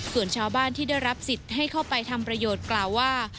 ส่วนชาวบ้านที่ได้รับสิทธิ์ให้เข้าไปทำประโยชน์กล่าวว่า